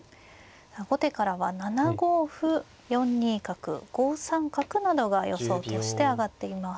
後手からは７五歩４二角５三角などが予想として挙がっています。